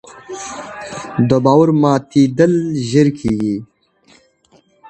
د باور ماتېدل ژر کېږي